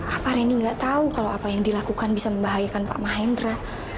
apa reni nggak tahu kalau apa yang dilakukan bisa membahayakan pak mahendra